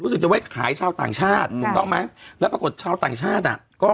รู้สึกว่าจะขายชาวต่างชาติแล้วปรากฎชาวต่างชาติ